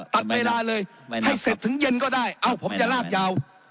ตัดเวลาเลยให้เสร็จถึงเย็นก็ได้เอ้าผมจะลากยาว